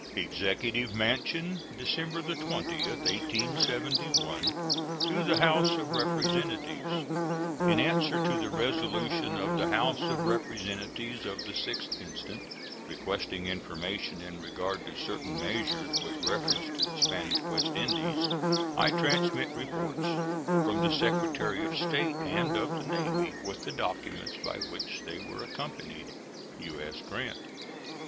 EXECUTIVE MANSION, December 20, 1871. To the House of Representatives: In answer to the resolution of the House of Representatives of the 6th instant, requesting information in regard to certain measures with reference to the Spanish West Indies, I transmit reports from the Secretary of State and of the Navy, with the documents by which they were accompanied. U.S. GRANT.